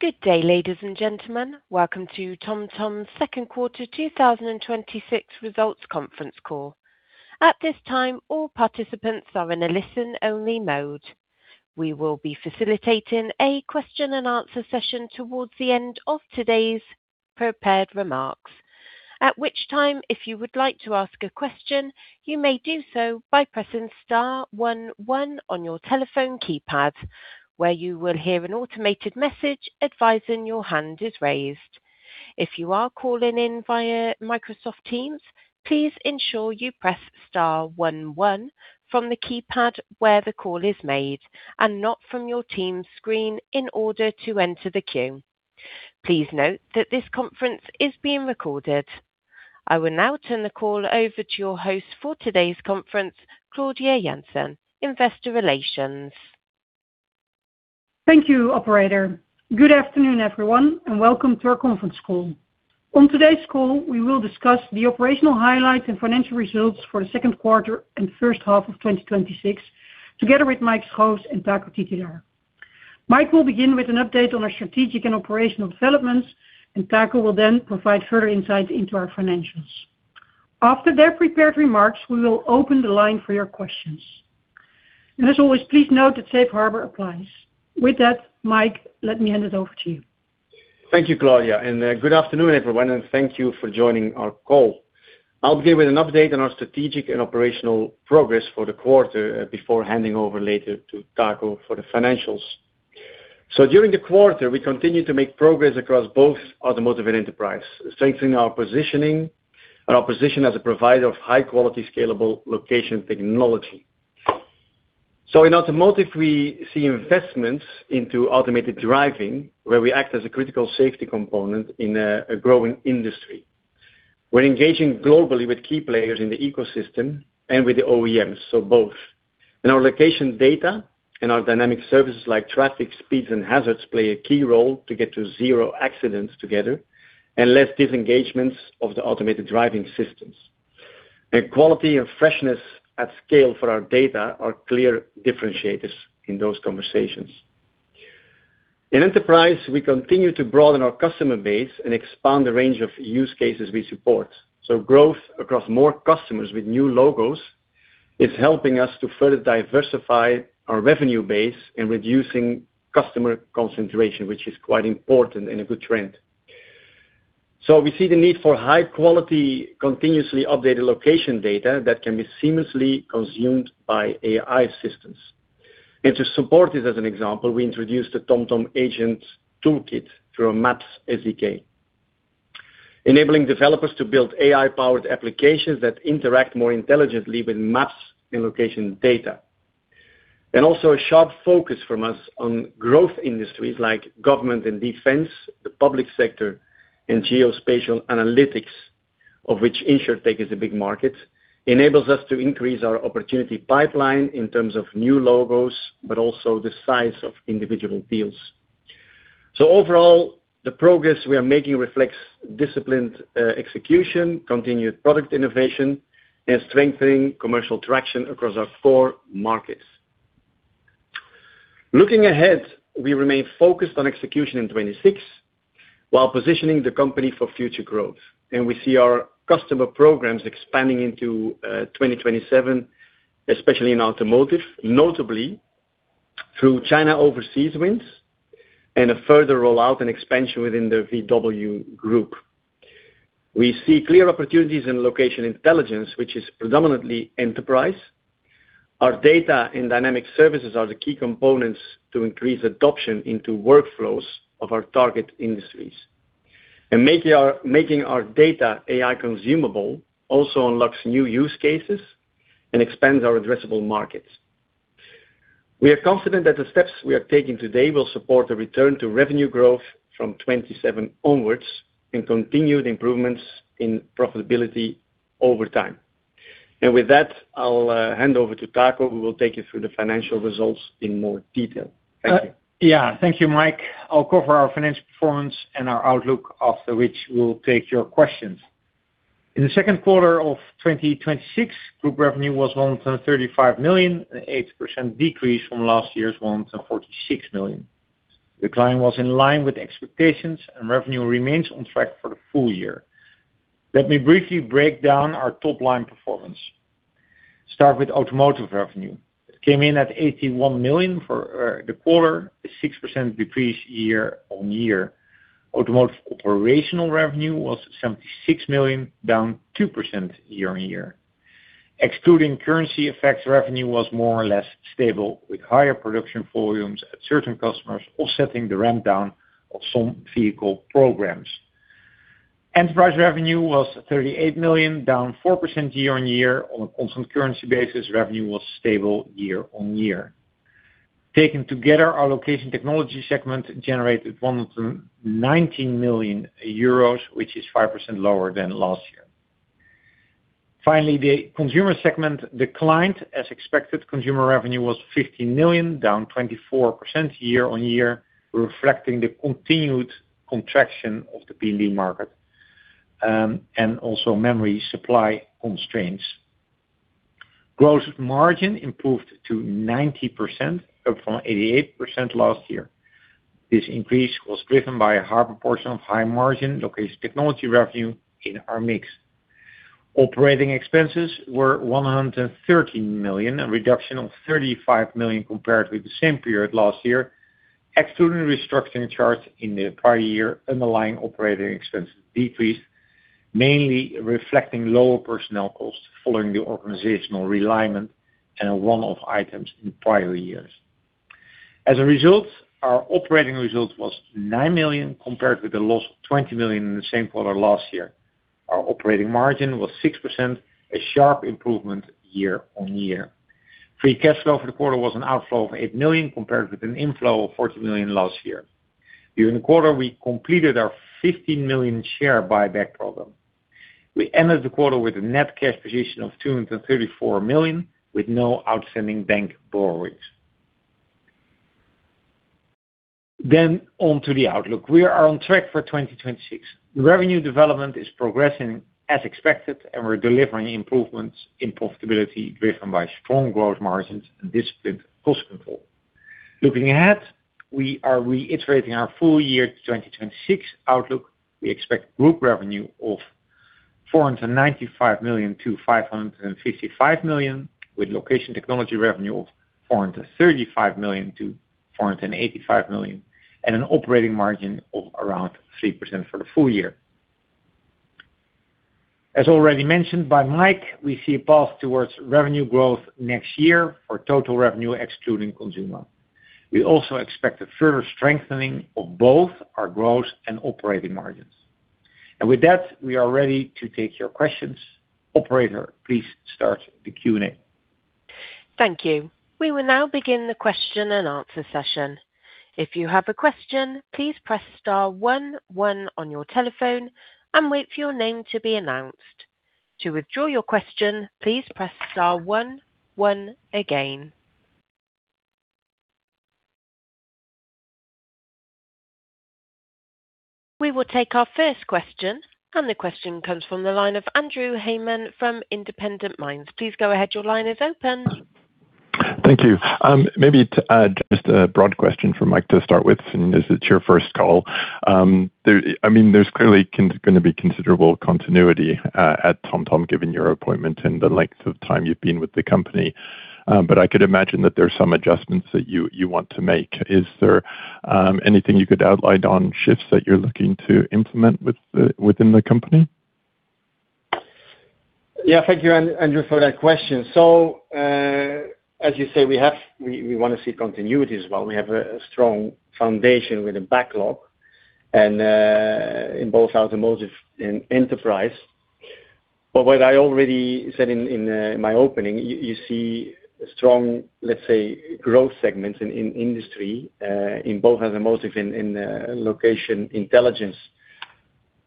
Good day, ladies and gentlemen. Welcome to TomTom's second quarter 2026 results conference call. At this time, all participants are in a listen-only mode. We will be facilitating a question and answer session towards the end of today's prepared remarks. At which time, if you would like to ask a question, you may do so by pressing star one one on your telephone keypad, where you will hear an automated message advising your hand is raised. If you are calling in via Microsoft Teams, please ensure you press star one one from the keypad where the call is made and not from your Teams screen in order to enter the queue. Please note that this conference is being recorded. I will now turn the call over to your host for today's conference, Claudia Janssen, Investor Relations. Thank you, operator. Good afternoon, everyone, welcome to our conference call. On today's call, we will discuss the operational highlights and financial results for the second quarter and first half of 2026 together with Mike Schoofs and Taco Titulaer. Mike will begin with an update on our strategic and operational developments, Taco will then provide further insight into our financials. After their prepared remarks, we will open the line for your questions. As always, please note that Safe Harbor applies. With that, Mike, let me hand it over to you. Thank you, Claudia, good afternoon, everyone, thank you for joining our call. I will begin with an update on our strategic and operational progress for the quarter before handing over later to Taco for the financials. During the quarter, we continued to make progress across both Automotive and Enterprise, strengthening our position as a provider of high-quality, scalable location technology. In Automotive, we see investments into automated driving, where we act as a critical safety component in a growing industry. We are engaging globally with key players in the ecosystem and with the OEMs, both. Our location data and our dynamic services like traffic speeds and hazards play a key role to get to zero accidents together and less disengagements of the automated driving systems. Quality and freshness at scale for our data are clear differentiators in those conversations. In Enterprise, we continue to broaden our customer base and expand the range of use cases we support. Growth across more customers with new logos is helping us to further diversify our revenue base and reducing customer concentration, which is quite important and a good trend. We see the need for high-quality, continuously updated location data that can be seamlessly consumed by AI systems. To support this, as an example, we introduced a TomTom Agent Toolkit through a Maps SDK, enabling developers to build AI-powered applications that interact more intelligently with maps and location data. Also a sharp focus from us on growth industries like government and defense, the public sector, and geospatial analytics, of which InsurTech is a big market, enables us to increase our opportunity pipeline in terms of new logos, but also the size of individual deals. Overall, the progress we are making reflects disciplined execution, continued product innovation, and strengthening commercial traction across our four markets. Looking ahead, we remain focused on execution in 2026 while positioning the company for future growth. We see our customer programs expanding into 2027, especially in Automotive, notably through China overseas wins and a further rollout and expansion within the VW Group. We see clear opportunities in location intelligence, which is predominantly Enterprise. Our data and dynamic services are the key components to increase adoption into workflows of our target industries. Making our data AI consumable also unlocks new use cases and expands our addressable markets. We are confident that the steps we are taking today will support a return to revenue growth from 2027 onwards and continued improvements in profitability over time. With that, I'll hand over to Taco, who will take you through the financial results in more detail. Thank you. Thank you, Mike. I'll cover our financial performance and our outlook, after which we'll take your questions. In the second quarter of 2026, group revenue was 135 million, an 8% decrease from last year's 146 million. Decline was in line with expectations, revenue remains on track for the full year. Let me briefly break down our top-line performance. Start with Automotive revenue. It came in at 81 million for the quarter, a 6% decrease year-on-year. Automotive operational revenue was 76 million, down 2% year-on-year. Excluding currency effects, revenue was more or less stable, with higher production volumes at certain customers offsetting the ramp-down of some vehicle programs. Enterprise revenue was 38 million, down 4% year-on-year. On a constant currency basis, revenue was stable year-on-year. Taken together, our location technology segment generated 119 million euros, which is 5% lower than last year. Finally, the Consumer segment declined as expected. Consumer revenue was 15 million, down 24% year-on-year, reflecting the continued contraction of the PND market, also memory supply constraints. Gross margin improved to 90%, up from 88% last year. This increase was driven by a higher proportion of high-margin location technology revenue in our mix. Operating expenses were 113 million, a reduction of 35 million compared with the same period last year. Excluding restructuring charges in the prior year, underlying operating expenses decreased, mainly reflecting lower personnel costs following the organizational realignment and one-off items in prior years. As a result, our operating result was 9 million, compared with a loss of 20 million in the same quarter last year. Our operating margin was 6%, a sharp improvement year-over-year. Free cash flow for the quarter was an outflow of 8 million, compared with an inflow of 40 million last year. During the quarter, we completed our 15 million share buyback program. We ended the quarter with a net cash position of 234 million, with no outstanding bank borrowings. On to the outlook. We are on track for 2026. Revenue development is progressing as expected, and we're delivering improvements in profitability driven by strong growth margins and disciplined cost control. Looking ahead, we are reiterating our full year 2026 outlook. We expect group revenue of 495 million-555 million, with location technology revenue of 435 million-485 million, and an operating margin of around 3% for the full year. As already mentioned by Mike, we see a path towards revenue growth next year for total revenue, excluding Consumer. We also expect a further strengthening of both our growth and operating margins. With that, we are ready to take your questions. Operator, please start the Q&A. Thank you. We will now begin the question and answer session. If you have a question, please press star one one on your telephone and wait for your name to be announced. To withdraw your question, please press star one one again. We will take our first question, and the question comes from the line of Andrew Hayman from Independent Minds. Please go ahead. Your line is open. Thank you. Maybe to add just a broad question for Mike to start with. As it's your first call, there's clearly going to be considerable continuity at TomTom, given your appointment and the length of time you've been with the company. I could imagine that there's some adjustments that you want to make. Is there anything you could outline on shifts that you're looking to implement within the company? Yeah. Thank you, Andrew, for that question. As you say, we want to see continuity as well. We have a strong foundation with a backlog in both automotive and enterprise. What I already said in my opening, you see strong, let's say, growth segments in industry, in both automotive and in location intelligence.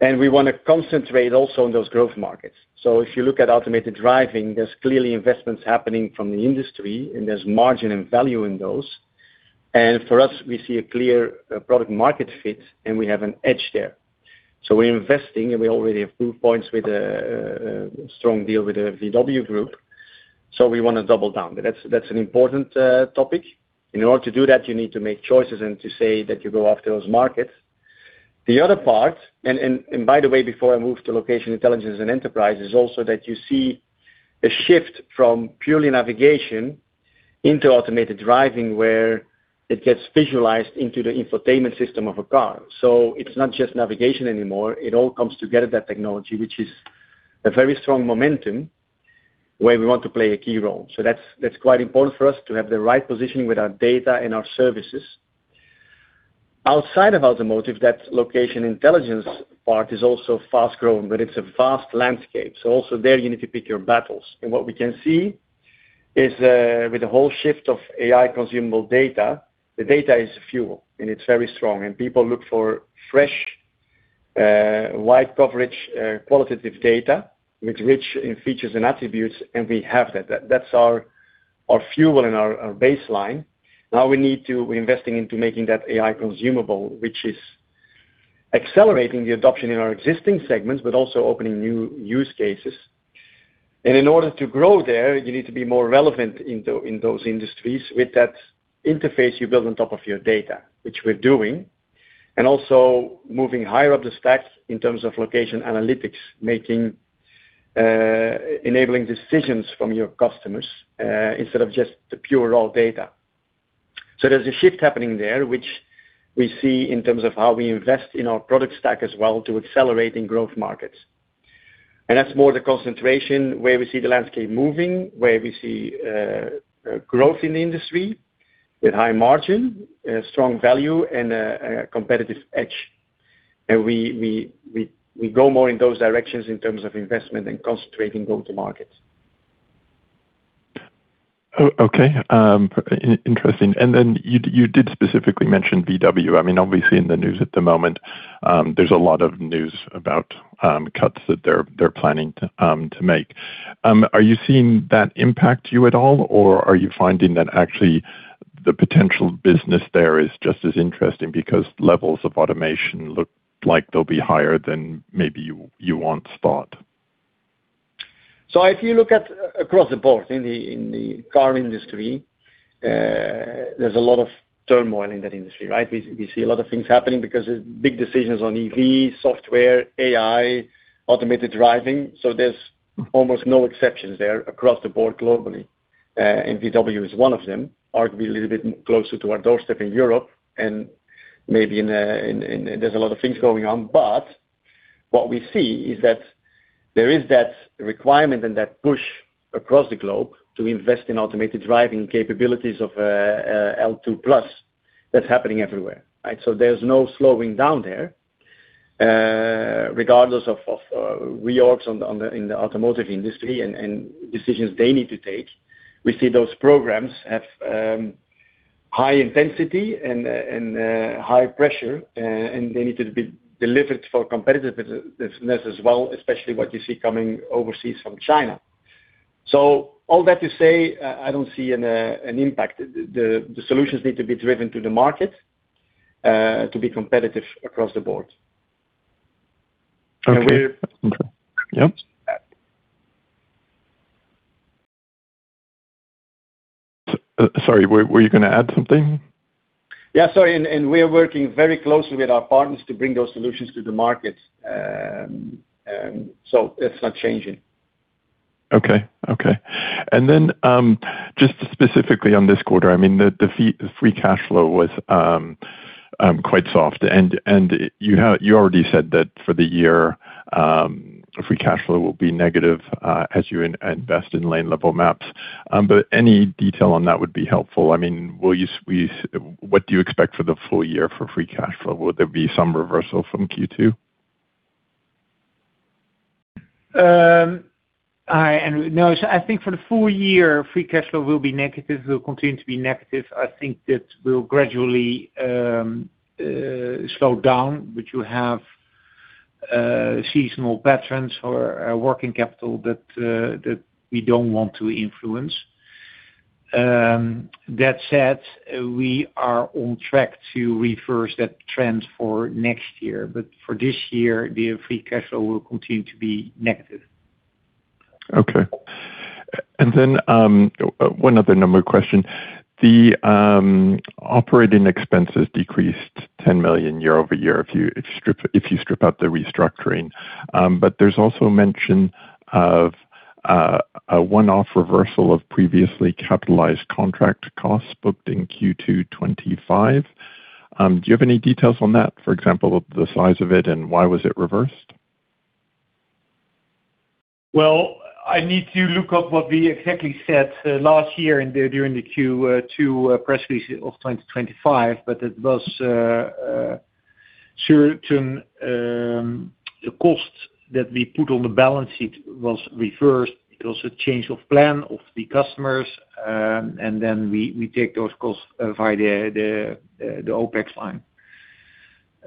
We want to concentrate also on those growth markets. If you look at automated driving, there's clearly investments happening from the industry, and there's margin and value in those. For us, we see a clear product market fit, and we have an edge there. We're investing, and we already have proof points with a strong deal with the VW Group. We want to double down. That's an important topic. In order to do that, you need to make choices and to say that you go after those markets. The other part, and by the way, before I move to location intelligence and enterprise, is also that you see a shift from purely navigation into automated driving, where it gets visualized into the infotainment system of a car. It's not just navigation anymore. It all comes together, that technology, which is a very strong momentum where we want to play a key role. That's quite important for us to have the right positioning with our data and our services. Outside of automotive, that location intelligence part is also fast-growing, but it's a vast landscape. Also there you need to pick your battles. What we can see is with the whole shift of AI consumable data, the data is fuel, and it's very strong, and people look for fresh, wide-coverage, qualitative data with rich in features and attributes, and we have that. That's our fuel and our baseline. Now we need to be investing into making that AI consumable, which is accelerating the adoption in our existing segments, but also opening new use cases. In order to grow there, you need to be more relevant in those industries with that interface you build on top of your data, which we're doing, and also moving higher up the stack in terms of location analytics, enabling decisions from your customers instead of just the pure raw data. There's a shift happening there, which we see in terms of how we invest in our product stack as well to accelerate in growth markets. That's more the concentration where we see the landscape moving, where we see growth in the industry with high margin, strong value, and a competitive edge. We go more in those directions in terms of investment and concentrating go-to-markets. Okay. Interesting. You did specifically mention VW. Obviously, in the news at the moment, there's a lot of news about cuts that they're planning to make. Are you seeing that impact you at all, or are you finding that actually the potential business there is just as interesting because levels of automation look like they'll be higher than maybe you once thought. If you look at across the board in the car industry, there's a lot of turmoil in that industry, right? We see a lot of things happening because there's big decisions on EV, software, AI, automated driving. There's almost no exceptions there across the board globally. VW is one of them, arguably a little bit closer to our doorstep in Europe and maybe there's a lot of things going on, but what we see is that there is that requirement and that push across the globe to invest in automated driving capabilities of L2+ that's happening everywhere, right? There's no slowing down there, regardless of reorgs in the automotive industry and decisions they need to take. We see those programs have high intensity and high pressure, and they need to be delivered for competitiveness as well, especially what you see coming overseas from China. All that to say, I don't see an impact. The solutions need to be driven to the market, to be competitive across the board. Okay. Yep. Sorry, were you going to add something? We're working very closely with our partners to bring those solutions to the market. That's not changing. Just specifically on this quarter, the free cash flow was quite soft. You already said that for the year, free cash flow will be negative as you invest in lane level maps. Any detail on that would be helpful. What do you expect for the full year for free cash flow? Will there be some reversal from Q2? I think for the full year, free cash flow will be negative, will continue to be negative. I think that will gradually slow down. You have seasonal patterns for working capital that we don't want to influence. That said, we are on track to reverse that trend for next year, but for this year, the free cash flow will continue to be negative. One other number question. The OpEx decreased 10 million year-over-year if you strip out the restructuring. There's also mention of a one-off reversal of previously capitalized contract costs booked in Q2 2025. Do you have any details on that, for example, the size of it and why was it reversed? I need to look up what we exactly said last year during the Q2 press release of 2025, but it was certain costs that we put on the balance sheet was reversed. It was a change of plan of the customers. We take those costs via the OpEx line.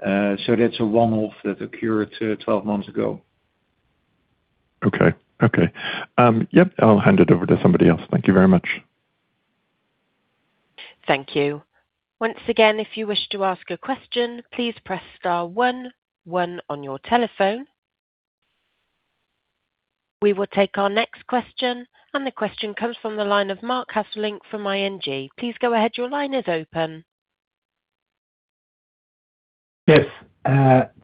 That's a one-off that occurred 12 months ago. Okay. Yep. I'll hand it over to somebody else. Thank you very much. Thank you. Once again, if you wish to ask a question, please press star one one on your telephone. We will take our next question. The question comes from the line of Marc Hesselink from ING. Please go ahead. Your line is open. Yes.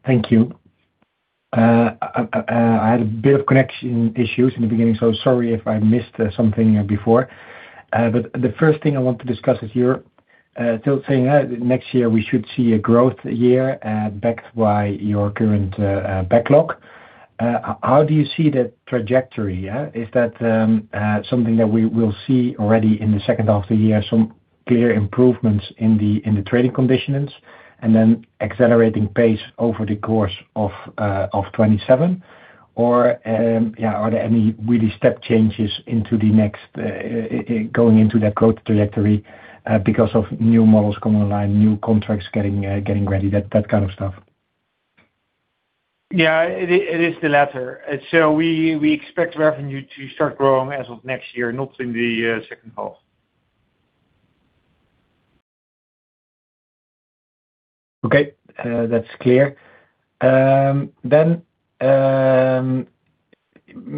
Thank you. I had a bit of connection issues in the beginning, so sorry if I missed something before. The first thing I want to discuss is you're still saying next year we should see a growth year backed by your current backlog. How do you see that trajectory? Is that something that we will see already in the second half of the year, some clear improvements in the trading conditions and then accelerating pace over the course of 2027? Are there any really step changes going into that growth trajectory because of new models coming online, new contracts getting ready, that kind of stuff? It is the latter. We expect revenue to start growing as of next year, not in the second half. That's clear.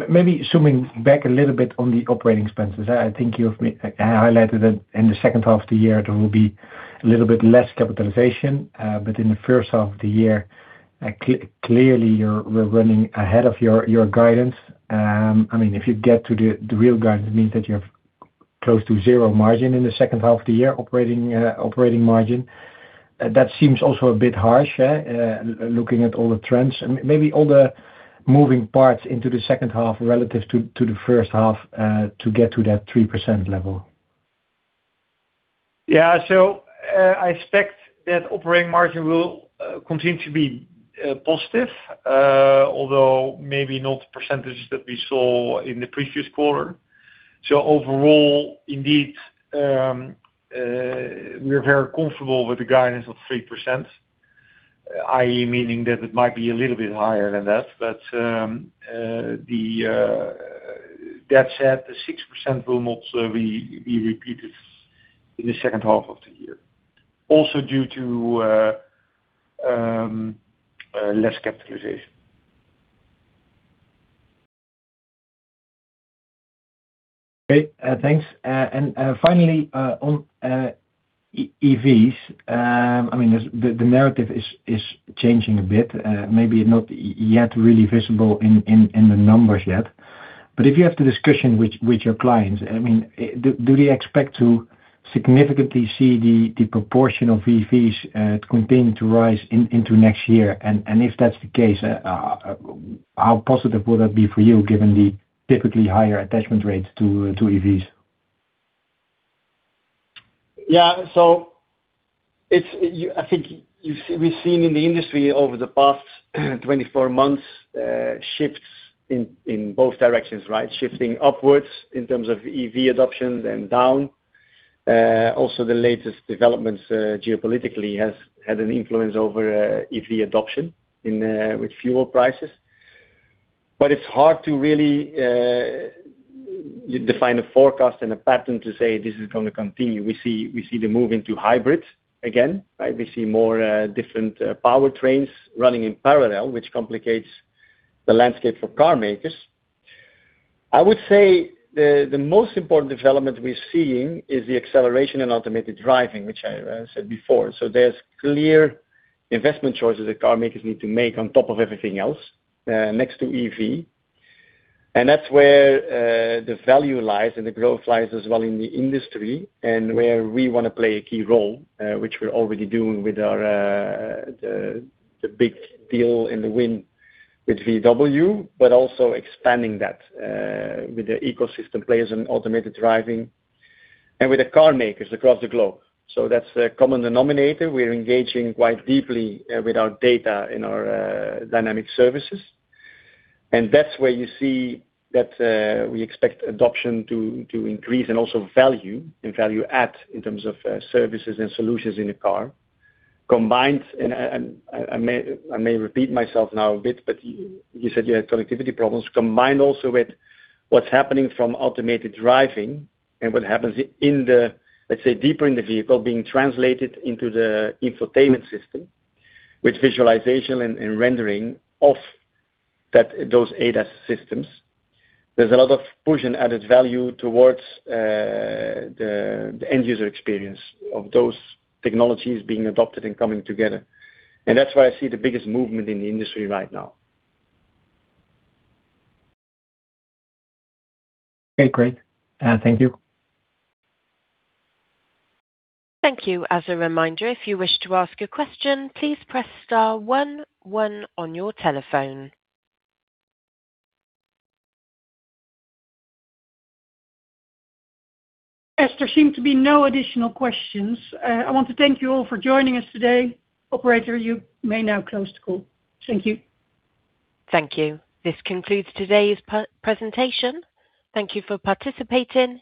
Maybe zooming back a little bit on the operating expenses. I think you've highlighted that in the second half of the year, there will be a little bit less capitalization. In the first half of the year, clearly, we're running ahead of your guidance. If you get to the real guidance, it means that you have close to zero margin in the second half of the year, operating margin. That seems also a bit harsh, looking at all the trends and maybe all the moving parts into the second half relative to the first half to get to that 3% level. I expect that operating margin will continue to be positive, although maybe not the percentages that we saw in the previous quarter. Overall, indeed, we're very comfortable with the guidance of 3% I.e., meaning that it might be a little bit higher than that. That said, the 6% will not be repeated in the second half of the year, also due to less capitalization. Great. Thanks. Finally, on EVs, the narrative is changing a bit, maybe not yet really visible in the numbers yet, but if you have the discussion with your clients, do they expect to significantly see the proportion of EVs continuing to rise into next year? If that's the case, how positive will that be for you given the typically higher attachment rates to EVs? I think we've seen in the industry over the past 24 months, shifts in both directions, right? Shifting upwards in terms of EV adoption, then down. Also the latest developments geopolitically has had an influence over EV adoption with fuel prices. It's hard to really define a forecast and a pattern to say this is going to continue. We see the move into hybrids again, right? We see more different powertrains running in parallel, which complicates the landscape for car makers. I would say the most important development we're seeing is the acceleration in automated driving, which I said before. There's clear investment choices that car makers need to make on top of everything else, next to EV. That's where the value lies and the growth lies as well in the industry, and where we want to play a key role, which we're already doing with the big deal and the win with VW, but also expanding that with the ecosystem players in automated driving and with the car makers across the globe. That's the common denominator. We're engaging quite deeply with our data in our dynamic services, and that's where you see that we expect adoption to increase and also value and value add in terms of services and solutions in the car. Combined, and I may repeat myself now a bit, but you said you had connectivity problems, combined also with what's happening from automated driving and what happens, let's say deeper in the vehicle, being translated into the infotainment system with visualization and rendering of those ADAS systems. There's a lot of push and added value towards the end user experience of those technologies being adopted and coming together, and that's where I see the biggest movement in the industry right now. Okay, great. Thank you. Thank you. As a reminder, if you wish to ask a question, please press star one one on your telephone. As there seem to be no additional questions, I want to thank you all for joining us today. Operator, you may now close the call. Thank you. Thank you. This concludes today's presentation. Thank you for participating.